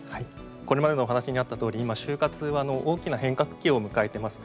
これまでのお話にあったとおり、今、就活は大きな変革期を迎えてます。